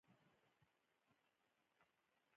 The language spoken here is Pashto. دا خو پخوا دومره بېغیرته نه و؟!